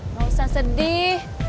gak usah sedih